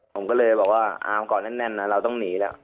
ผมก็เลยบอกว่าเอาก่อนแน่นนะเราต้องหนีแล้ว